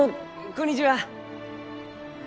こんにちは。